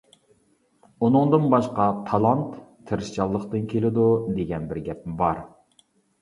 ئۇنىڭدىن باشقا «تالانت تىرىشچانلىقتىن كېلىدۇ» دېگەن بىر گەپمۇ بار.